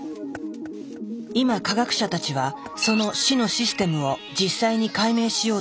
今科学者たちはその「死のシステム」を実際に解明しようとしている。